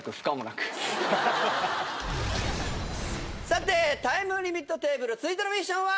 さてタイムリミットテーブル続いてのミッションは。